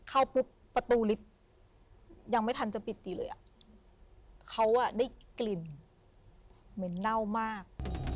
เข้าปุ๊บประตูลิฟต์ยังไม่ทันจะปิดตีเลยอ่ะเขาได้กลิ่นเหม็นเน่ามาก